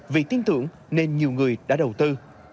vì tin tưởng nên nhiều người đã đầu tư